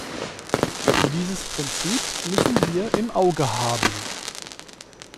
Dieses Prinzip müssen wir im Auge haben.